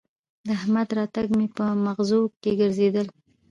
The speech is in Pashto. د احمد راتګ مې به مغزو کې ګرځېدل